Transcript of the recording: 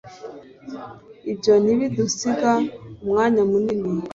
ibyo ntibidusiga umwanya munini